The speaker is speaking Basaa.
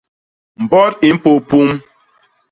Mbot i mpôp pum!